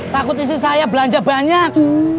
takut istri saya belanja banyak